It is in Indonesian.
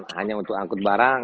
hanya untuk angkut barang